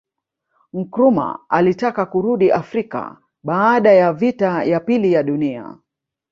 Nkrumah alitaka kurudi Afrika baada ya vita ya pili ya Dunia